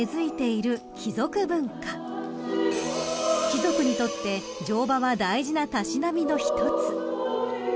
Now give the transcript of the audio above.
［貴族にとって乗馬は大事なたしなみの一つ］